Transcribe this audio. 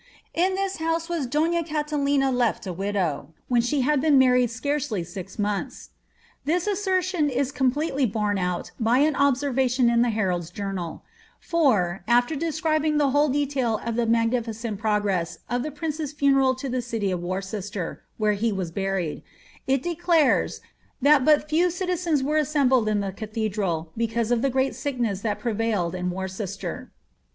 In this house was donna Catalina left a widow, when she had been mar xied scarcely six months." * This assertion is completely borne out by an observation in the Herald^s Journal ;' for, after describing the whole detail of the magnificent progress of the prince's funeral to the city of Worcester (where he was buried), it declares, that but few citizens were Buembled in the cathedral, because of the great sickness that prevailed in Worcester.